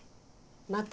また